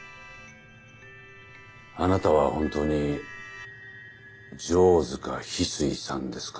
あなたは本当に城塚翡翠さんですか？